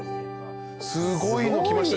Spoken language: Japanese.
すごいの来ました。